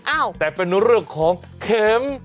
อ้าวแต่เป็นเรื่องของเข็ม